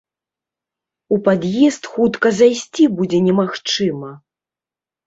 У пад'езд хутка зайсці будзе немагчыма!